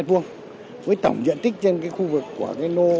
với tổng diện tích trên cái khu vực của cái lô